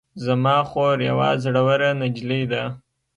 زما خور یوه زړوره نجلۍ ده